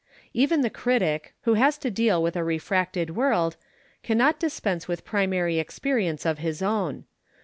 Even the critic, who has to deal with a refracted world, cannot dispense with primary experience of his own.